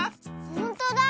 ほんとだ！